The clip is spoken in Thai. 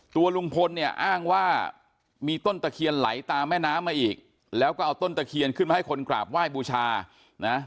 ตัวลุงพลเนี่ยอ้างว่ามีต้นตะเคียนไหลตามแม่น้ำมาอีกแล้วก็เอาต้นตะเคียนขึ้นมาให้คนกราบไหว้บูชานะ